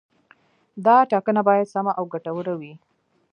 دا ټاکنه باید سمه او ګټوره وي.